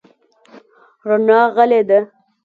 رڼا غلې ده .